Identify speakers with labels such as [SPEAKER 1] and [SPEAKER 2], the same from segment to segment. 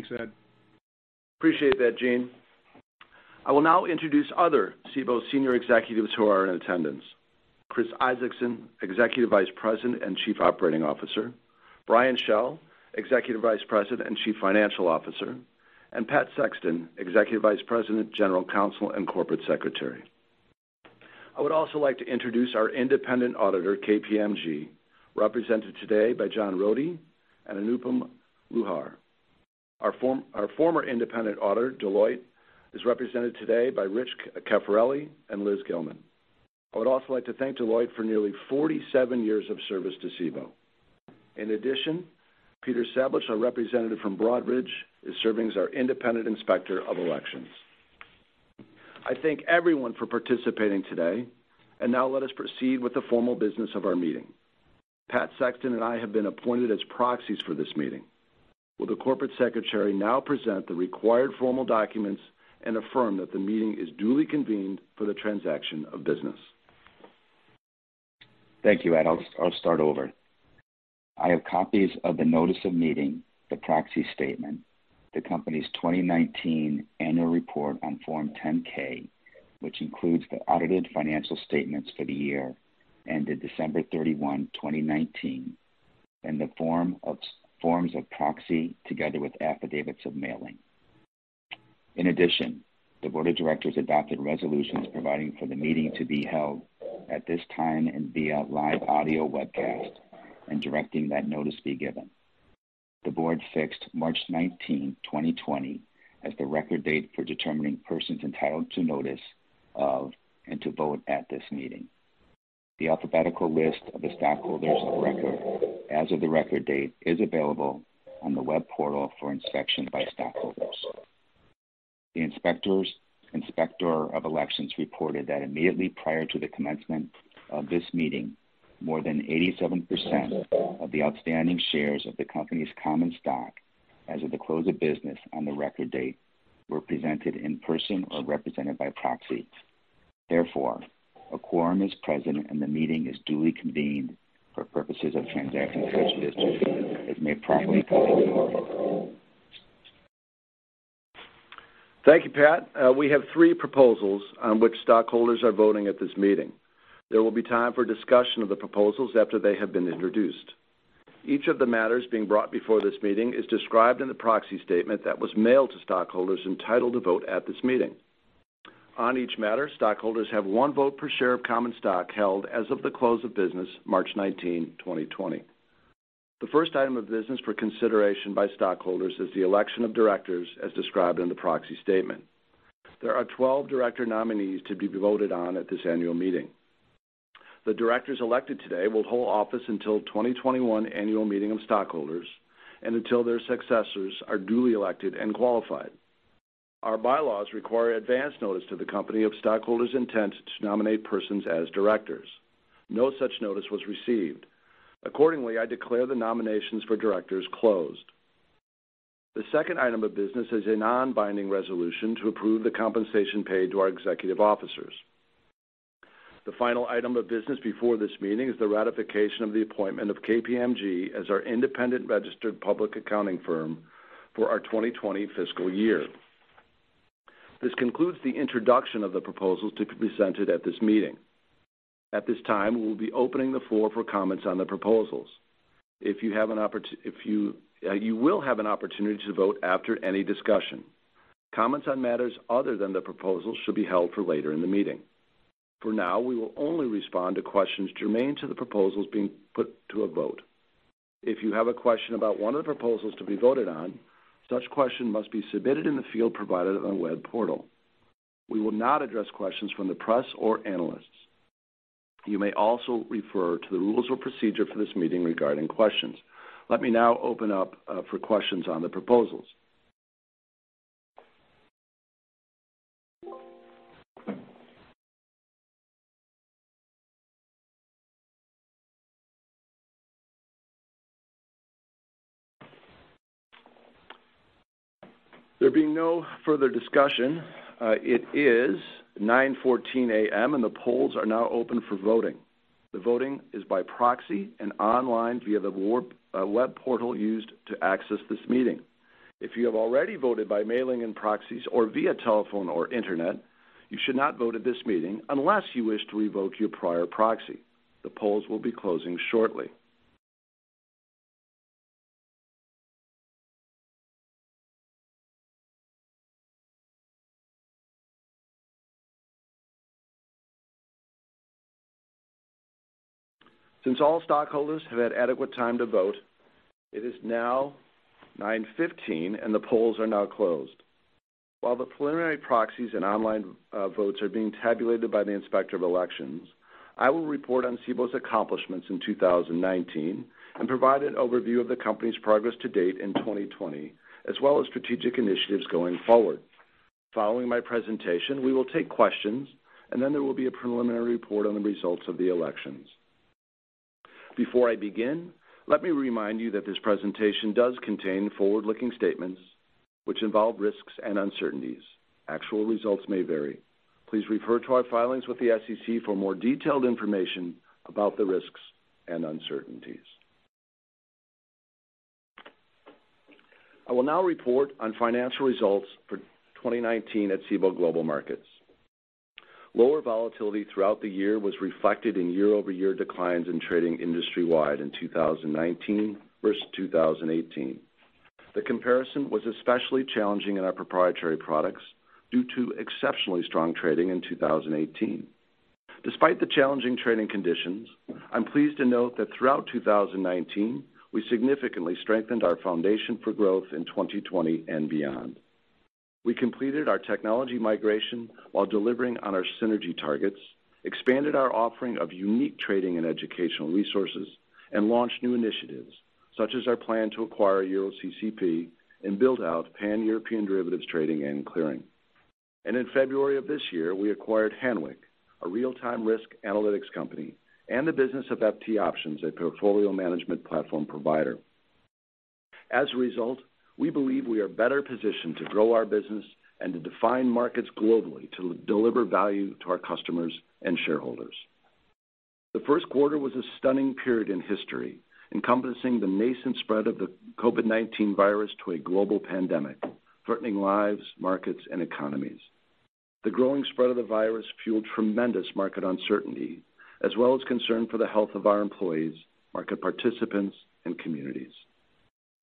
[SPEAKER 1] Thanks, Ed.
[SPEAKER 2] Appreciate that, Gene. I will now introduce other Cboe senior executives who are in attendance. Chris Isaacson, Executive Vice President and Chief Operating Officer, Brian Schell, Executive Vice President and Chief Financial Officer, and Pat Sexton, Executive Vice President, General Counsel, and Corporate Secretary. I would also like to introduce our independent auditor, KPMG, represented today by John Rhode and Anupam Luhar. Our former independent auditor, Deloitte, is represented today by Rich Caffarelli and Liz Gilman. I would also like to thank Deloitte for nearly 47 years of service to Cboe. Peter Sablich, our representative from Broadridge, is serving as our independent Inspector of Elections. I thank everyone for participating today. Now let us proceed with the formal business of our meeting. Pat Sexton and I have been appointed as proxies for this meeting. Will the corporate secretary now present the required formal documents and affirm that the meeting is duly convened for the transaction of business?
[SPEAKER 3] Thank you, Ed. I'll start over. I have copies of the notice of meeting, the proxy statement, the company's 2019 annual report on Form 10-K, which includes the audited financial statements for the year ended December 31, 2019, and the forms of proxy together with affidavits of mailing. In addition, the board of directors adopted resolutions providing for the meeting to be held at this time and via live audio webcast and directing that notice be given. The board fixed March 19, 2020, as the record date for determining persons entitled to notice of and to vote at this meeting. The alphabetical list of the stockholders of record as of the record date is available on the web portal for inspection by stockholders. The Inspector of Elections reported that immediately prior to the commencement of this meeting, more than 87% of the outstanding shares of the company's common stock as of the close of business on the record date were presented in person or represented by proxy. Therefore, a quorum is present, and the meeting is duly convened for purposes of transacting such business as may properly come before it.
[SPEAKER 2] Thank you, Pat. We have three proposals on which stockholders are voting at this meeting. There will be time for discussion of the proposals after they have been introduced. Each of the matters being brought before this meeting is described in the proxy statement that was mailed to stockholders entitled to vote at this meeting. On each matter, stockholders have one vote per share of common stock held as of the close of business March 19, 2020. The first item of business for consideration by stockholders is the election of directors as described in the proxy statement. There are 12 director nominees to be voted on at this annual meeting. The directors elected today will hold office until 2021 Annual Meeting of Stockholders and until their successors are duly elected and qualified. Our bylaws require advance notice to the company of stockholders' intent to nominate persons as directors. No such notice was received. Accordingly, I declare the nominations for directors closed. The second item of business is a non-binding resolution to approve the compensation paid to our executive officers. The final item of business before this meeting is the ratification of the appointment of KPMG as our independent registered public accounting firm for our 2020 fiscal year. This concludes the introduction of the proposals to be presented at this meeting. At this time, we'll be opening the floor for comments on the proposals. You will have an opportunity to vote after any discussion. Comments on matters other than the proposals should be held for later in the meeting. For now, we will only respond to questions germane to the proposals being put to a vote. If you have a question about one of the proposals to be voted on, such question must be submitted in the field provided on the web portal. We will not address questions from the press or analysts. You may also refer to the rules or procedure for this meeting regarding questions. Let me now open up for questions on the proposals. There being no further discussion, it is 9:14 A.M. and the polls are now open for voting. The voting is by proxy and online via the web portal used to access this meeting. If you have already voted by mailing in proxies or via telephone or internet, you should not vote at this meeting unless you wish to revoke your prior proxy. The polls will be closing shortly. Since all stockholders have had adequate time to vote, it is now 9:15 A.M. and the polls are now closed. While the preliminary proxies and online votes are being tabulated by the Inspector of Elections, I will report on Cboe's accomplishments in 2019 and provide an overview of the company's progress to date in 2020, as well as strategic initiatives going forward. Following my presentation, we will take questions, and then there will be a preliminary report on the results of the elections. Before I begin, let me remind you that this presentation does contain forward-looking statements which involve risks and uncertainties. Actual results may vary. Please refer to our filings with the SEC for more detailed information about the risks and uncertainties. I will now report on financial results for 2019 at Cboe Global Markets. Lower volatility throughout the year was reflected in year-over-year declines in trading industry-wide in 2019 versus 2018. The comparison was especially challenging in our proprietary products due to exceptionally strong trading in 2018. Despite the challenging trading conditions, I'm pleased to note that throughout 2019, we significantly strengthened our foundation for growth in 2020 and beyond. We completed our technology migration while delivering on our synergy targets, expanded our offering of unique trading and educational resources, and launched new initiatives, such as our plan to acquire EuroCCP and build out Pan-European derivatives trading and clearing. In February of this year, we acquired Hanweck, a real-time risk analytics company, and the business of FT Options, a portfolio management platform provider. As a result, we believe we are better positioned to grow our business and to define markets globally to deliver value to our customers and shareholders. The first quarter was a stunning period in history, encompassing the nascent spread of the COVID-19 virus to a global pandemic, threatening lives, markets, and economies. The growing spread of the virus fueled tremendous market uncertainty, as well as concern for the health of our employees, market participants, and communities.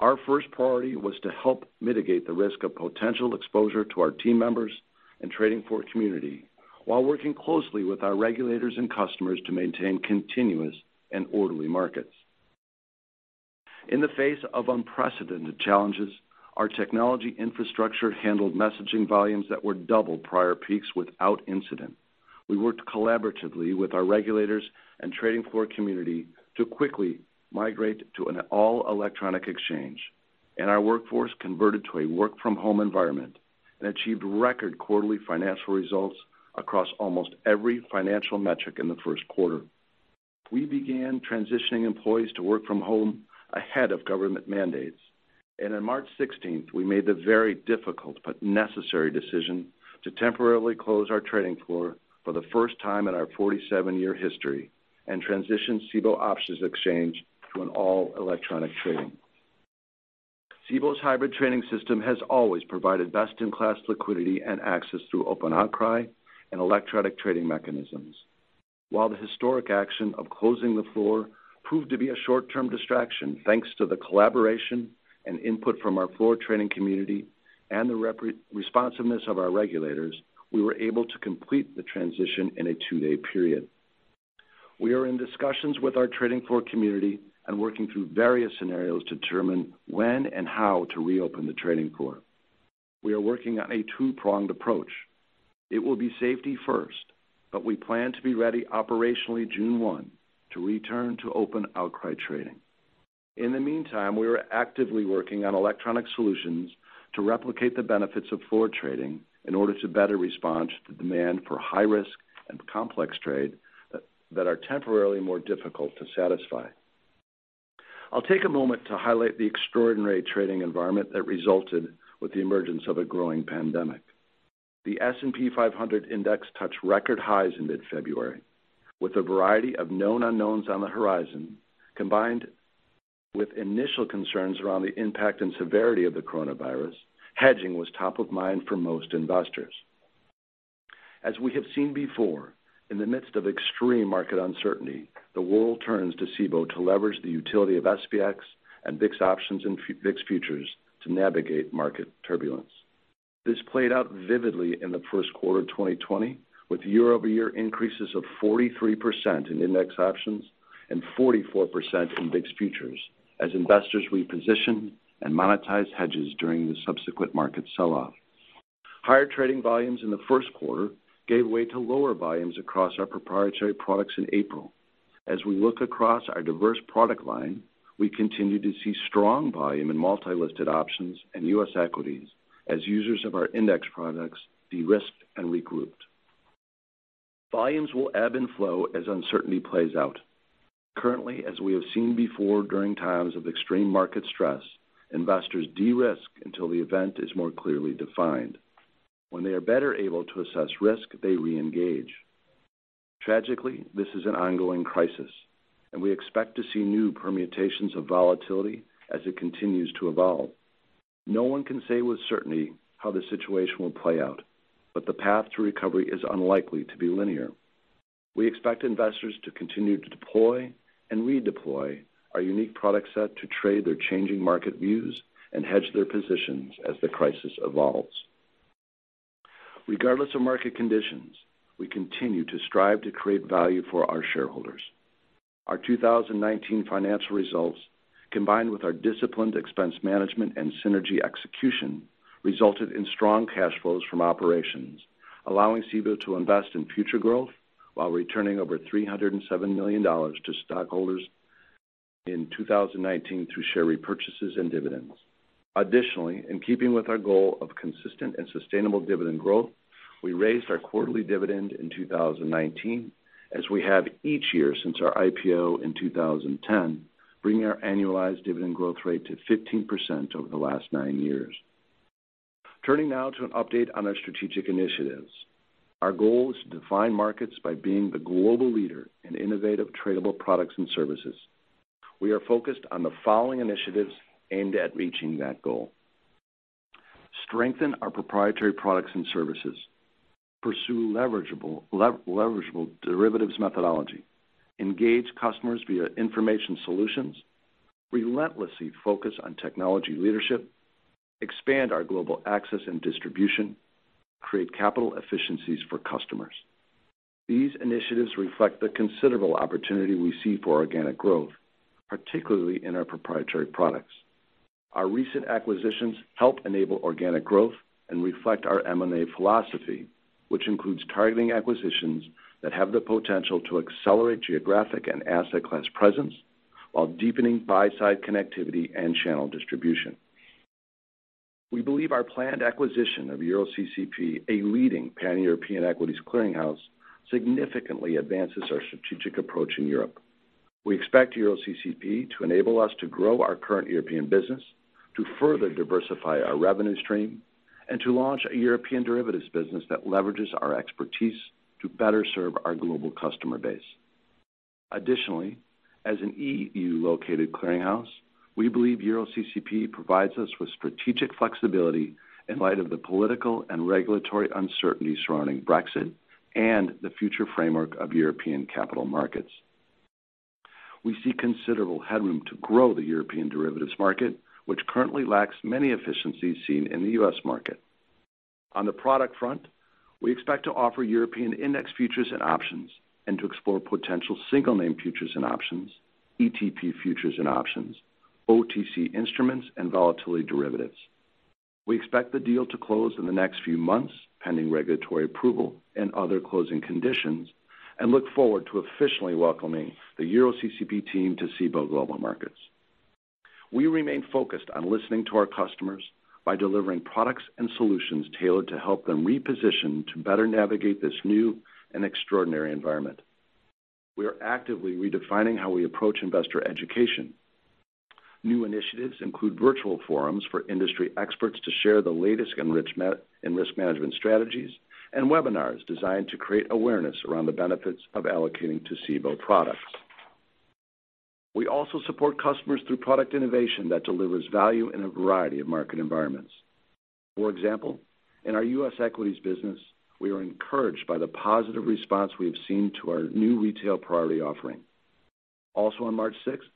[SPEAKER 2] Our first priority was to help mitigate the risk of potential exposure to our team members and trading floor community, while working closely with our regulators and customers to maintain continuous and orderly markets. In the face of unprecedented challenges, our technology infrastructure handled messaging volumes that were double prior peaks without incident. We worked collaboratively with our regulators and trading floor community to quickly migrate to an all-electronic exchange, and our workforce converted to a work-from-home environment and achieved record quarterly financial results across almost every financial metric in the first quarter. We began transitioning employees to work from home ahead of government mandates, and on March 16th, we made the very difficult but necessary decision to temporarily close our trading floor for the first time in our 47-year history and transition Cboe Options Exchange to an all-electronic trading. Cboe's hybrid trading system has always provided best-in-class liquidity and access through open outcry and electronic trading mechanisms. While the historic action of closing the floor proved to be a short-term distraction, thanks to the collaboration and input from our floor trading community and the responsiveness of our regulators, we were able to complete the transition in a two-day period. We are in discussions with our trading floor community and working through various scenarios to determine when and how to reopen the trading floor. We are working on a two-pronged approach. It will be safety first, but we plan to be ready operationally June 1 to return to open outcry trading. In the meantime, we are actively working on electronic solutions to replicate the benefits of floor trading in order to better respond to the demand for high-risk and complex trade that are temporarily more difficult to satisfy. I'll take a moment to highlight the extraordinary trading environment that resulted with the emergence of a growing pandemic. The S&P 500 index touched record highs in mid-February with a variety of known unknowns on the horizon, combined with initial concerns around the impact and severity of the coronavirus, hedging was top of mind for most investors. As we have seen before, in the midst of extreme market uncertainty, the world turns to Cboe to leverage the utility of SPX and VIX options and VIX futures to navigate market turbulence. This played out vividly in the first quarter 2020, with year-over-year increases of 43% in index options and 44% in VIX futures as investors repositioned and monetized hedges during the subsequent market sell-off. Higher trading volumes in the first quarter gave way to lower volumes across our proprietary products in April. As we look across our diverse product line, we continue to see strong volume in multi-listed options and U.S. equities as users of our index products de-risked and regrouped. Volumes will ebb and flow as uncertainty plays out. Currently, as we have seen before during times of extreme market stress, investors de-risk until the event is more clearly defined. When they are better able to assess risk, they reengage. Tragically, this is an ongoing crisis, and we expect to see new permutations of volatility as it continues to evolve. No one can say with certainty how the situation will play out, but the path to recovery is unlikely to be linear. We expect investors to continue to deploy and redeploy our unique product set to trade their changing market views and hedge their positions as the crisis evolves. Regardless of market conditions, we continue to strive to create value for our shareholders. Our 2019 financial results, combined with our disciplined expense management and synergy execution, resulted in strong cash flows from operations, allowing Cboe to invest in future growth while returning over $307 million to stockholders in 2019 through share repurchases and dividends. Additionally, in keeping with our goal of consistent and sustainable dividend growth, we raised our quarterly dividend in 2019, as we have each year since our IPO in 2010, bringing our annualized dividend growth rate to 15% over the last nine years. Turning now to an update on our strategic initiatives. Our goal is to define markets by being the global leader in innovative tradable products and services. We are focused on the following initiatives aimed at reaching that goal: strengthen our proprietary products and services, pursue leverageable derivatives methodology, engage customers via information solutions, relentlessly focus on technology leadership, expand our global access and distribution, create capital efficiencies for customers. These initiatives reflect the considerable opportunity we see for organic growth, particularly in our proprietary products. Our recent acquisitions help enable organic growth and reflect our M&A philosophy, which includes targeting acquisitions that have the potential to accelerate geographic and asset class presence while deepening buy-side connectivity and channel distribution. We believe our planned acquisition of EuroCCP, a leading pan-European equities clearinghouse, significantly advances our strategic approach in Europe. We expect EuroCCP to enable us to grow our current European business, to further diversify our revenue stream, and to launch a European derivatives business that leverages our expertise to better serve our global customer base. Additionally, as an EU-located clearinghouse, we believe EuroCCP provides us with strategic flexibility in light of the political and regulatory uncertainty surrounding Brexit and the future framework of European capital markets. We see considerable headroom to grow the European derivatives market, which currently lacks many efficiencies seen in the U.S. market. On the product front, we expect to offer European index futures and options and to explore potential single name futures and options, ETP futures and options, OTC instruments, and volatility derivatives. We expect the deal to close in the next few months, pending regulatory approval and other closing conditions, and look forward to officially welcoming the EuroCCP team to Cboe Global Markets. We remain focused on listening to our customers by delivering products and solutions tailored to help them reposition to better navigate this new and extraordinary environment. We are actively redefining how we approach investor education. New initiatives include virtual forums for industry experts to share the latest in risk management strategies and webinars designed to create awareness around the benefits of allocating to Cboe products. We also support customers through product innovation that delivers value in a variety of market environments. For example, in our U.S. equities business, we are encouraged by the positive response we have seen to our new Retail Priority offering. Also on March sixth,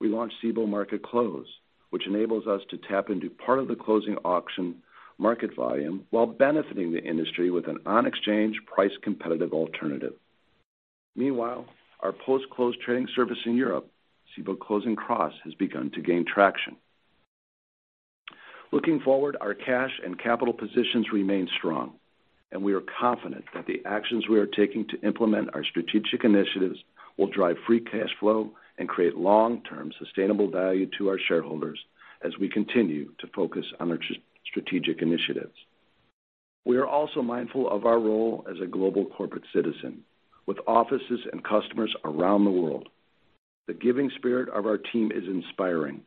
[SPEAKER 2] we launched Cboe Market Close, which enables us to tap into part of the closing auction market volume while benefiting the industry with an on-exchange, price-competitive alternative. Meanwhile, our post-close trading service in Europe, Cboe Closing Cross, has begun to gain traction. Looking forward, our cash and capital positions remain strong, and we are confident that the actions we are taking to implement our strategic initiatives will drive free cash flow and create long-term sustainable value to our shareholders as we continue to focus on our strategic initiatives. We are also mindful of our role as a global corporate citizen with offices and customers around the world. The giving spirit of our team is inspiring.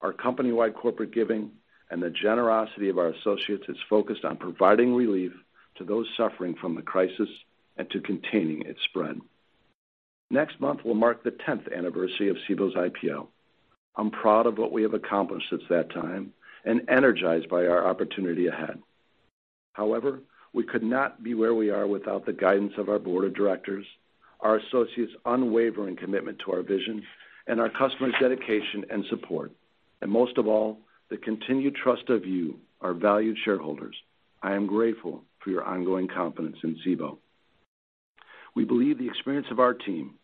[SPEAKER 2] Our company-wide corporate giving and the generosity of our associates is focused on providing relief to those suffering from the crisis and to containing its spread. Next month will mark the 10th anniversary of Cboe's IPO. I'm proud of what we have accomplished since that time and energized by our opportunity ahead. We could not be where we are without the guidance of our board of directors, our associates' unwavering commitment to our vision, and our customers' dedication and support. Most of all, the continued trust of you, our valued shareholders. I am grateful for your ongoing confidence in Cboe. We believe the experience of our team,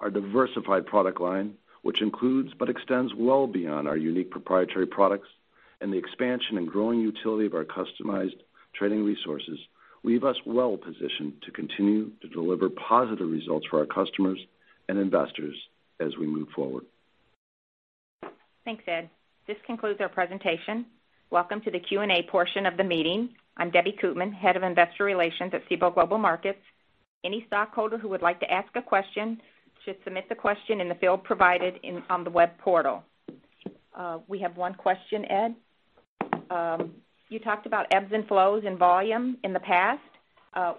[SPEAKER 2] our diversified product line, which includes but extends well beyond our unique proprietary products, and the expansion and growing utility of our customized trading resources leave us well positioned to continue to deliver positive results for our customers and investors as we move forward.
[SPEAKER 4] Thanks, Ed. This concludes our presentation. Welcome to the Q&A portion of the meeting. I'm Debbie Koopman, Head of Investor Relations at Cboe Global Markets. Any stockholder who would like to ask a question should submit the question in the field provided on the web portal. We have one question, Ed. You talked about ebbs and flows in volume in the past.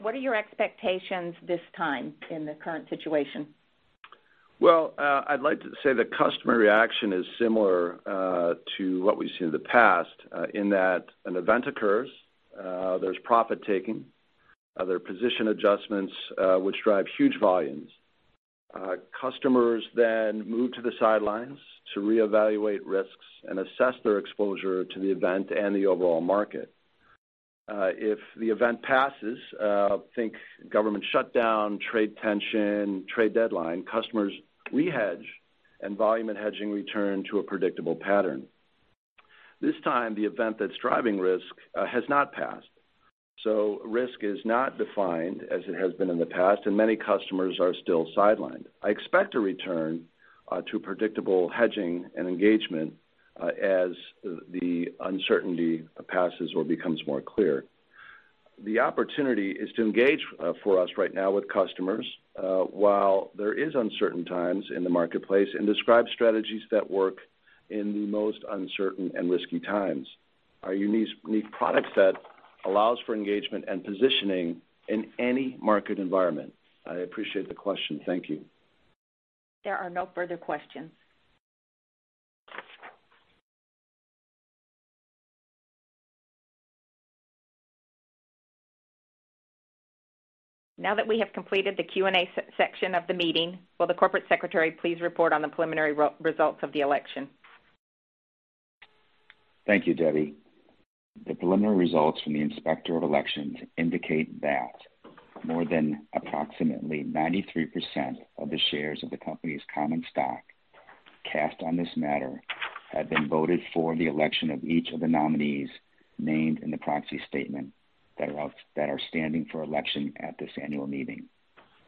[SPEAKER 4] What are your expectations this time in the current situation?
[SPEAKER 2] Well, I'd like to say the customer reaction is similar to what we've seen in the past, in that an event occurs, there's profit-taking, there are position adjustments, which drive huge volumes. Customers move to the sidelines to reevaluate risks and assess their exposure to the event and the overall market. If the event passes, think government shutdown, trade tension, trade deadline, customers rehedge and volume and hedging return to a predictable pattern. This time, the event that's driving risk has not passed. Risk is not defined as it has been in the past. Many customers are still sidelined. I expect a return to predictable hedging and engagement as the uncertainty passes or becomes more clear. The opportunity is to engage for us right now with customers while there is uncertain times in the marketplace. Describe strategies that work in the most uncertain and risky times. Our unique product set allows for engagement and positioning in any market environment. I appreciate the question. Thank you.
[SPEAKER 4] There are no further questions. Now that we have completed the Q&A section of the meeting, will the Corporate Secretary please report on the preliminary results of the election?
[SPEAKER 3] Thank you, Debbie. The preliminary results from the Inspector of Elections indicate that more than approximately 93% of the shares of the company's common stock cast on this matter have been voted for the election of each of the nominees named in the proxy statement that are standing for election at this annual meeting.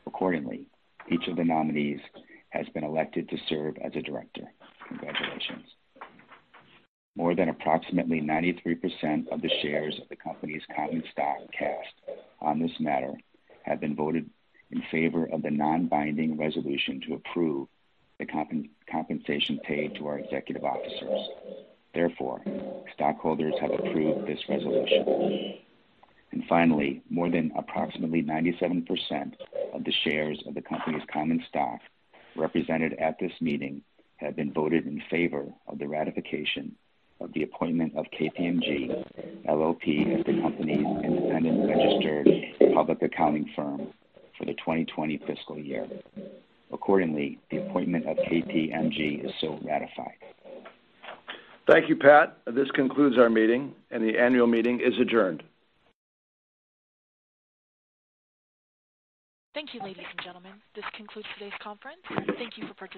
[SPEAKER 3] Accordingly, each of the nominees has been elected to serve as a director. Congratulations. More than approximately 93% of the shares of the company's common stock cast on this matter have been voted in favor of the non-binding resolution to approve the compensation paid to our executive officers. Stockholders have approved this resolution. Finally, more than approximately 97% of the shares of the company's common stock represented at this meeting have been voted in favor of the ratification of the appointment of KPMG LLP as the company's independent registered public accounting firm for the 2020 fiscal year. Accordingly, the appointment of KPMG is so ratified.
[SPEAKER 2] Thank you, Pat. This concludes our meeting, and the annual meeting is adjourned.
[SPEAKER 5] Thank you, ladies and gentlemen. This concludes today's conference. Thank you for participating.